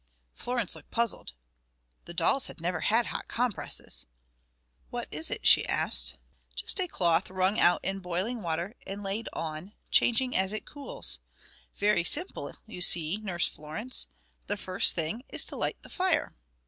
Florence looked puzzled; the dolls had never had hot compresses. "What is it?" she asked. "Just a cloth wrung out in boiling water and laid on, changing it as it cools. Very simple, you see, Nurse Florence! The first thing is to light the fire."